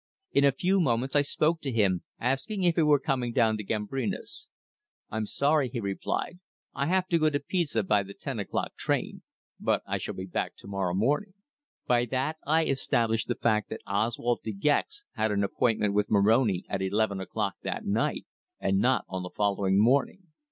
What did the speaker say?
In a few moments I spoke to him, asking if he were coming down to the Gambrinus. "I'm sorry," he replied. "I have to go to Pisa by the eight o'clock train. But I shall be back to morrow morning." By that I established the fact that Oswald De Gex had an appointment with Moroni at eleven o'clock that night, and not on the following morning.